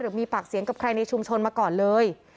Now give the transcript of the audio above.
มีปากเสียงกับใครในชุมชนมาก่อนเลย